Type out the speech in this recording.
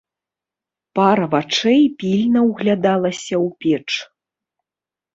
Пара вачэй пільна ўглядалася ў печ.